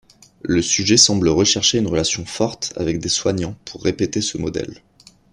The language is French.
Le sujet semble rechercher une relation forte avec des soignants pour répéter ce modèle.